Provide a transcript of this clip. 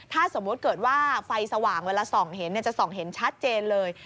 ถ้าสมมุติเกิดว่าไฟสว่างเวลาส่องเห็นจะส่องเห็นชัดเจนเลย